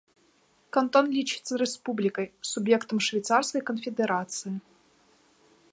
Кантон лічыцца рэспублікай, суб'ектам швейцарскай канфедэрацыі.